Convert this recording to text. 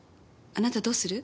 あなたどうする？